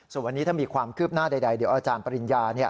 ส่วนวันนี้ถ้ามีความคืบหน้าใดเดี๋ยวอาจารย์ปริญญา